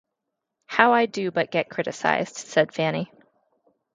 “How I do but get criticised,” said Fanny.